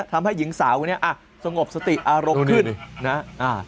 ทำให้หญิงสาวนี้สงบสติอารกขึ้นนะ